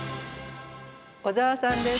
小沢さんです。